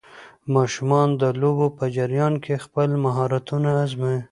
ماشومان د لوبو په جریان کې خپل مهارتونه ازمويي.